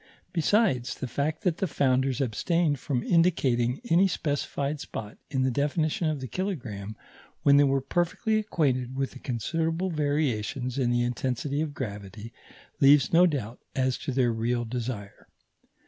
Besides, the fact that the founders abstained from indicating any specified spot in the definition of the kilogramme, when they were perfectly acquainted with the considerable variations in the intensity of gravity, leaves no doubt as to their real desire.